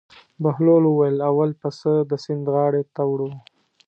بهلول وویل: اول پسه د سیند غاړې ته وړو.